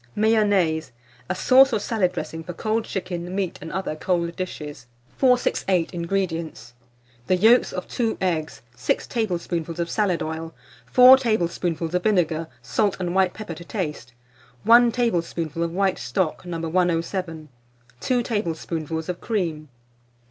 MAYONNAISE, a Sauce or Salad Dressing for cold Chicken, Meat, and other cold Dishes. 468. INGREDIENTS. The yolks of 2 eggs, 6 tablespoonfuls of salad oil, 4 tablespoonfuls of vinegar, salt and white pepper to taste, 1 tablespoonful of white stock, No. 107, 2 tablespoonfuls of cream.